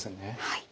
はい。